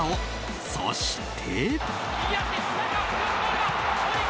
そして。